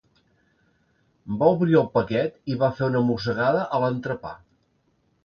Va obrir el paquet i va fer una mossegada a l'entrepà.